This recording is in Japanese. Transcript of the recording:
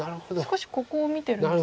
少しここを見てるんですね。